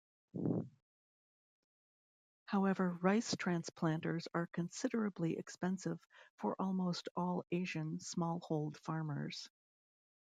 However, rice transplanters are considerably expensive for almost all Asian small-hold farmers.